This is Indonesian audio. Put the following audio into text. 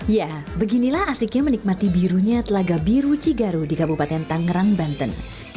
ya beginilah asiknya menikmati birunya telaga biru cigaru di kabupaten tangerang banten